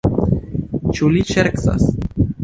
Ĉu li ŝercas?